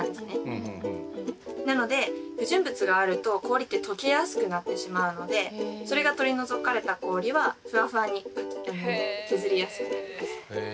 なので不純物があると氷ってとけやすくなってしまうのでそれが取り除かれた氷はふわふわに削りやすくなります。